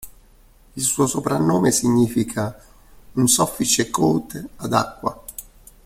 Il suo soprannome significa "un soffice cote ad acqua".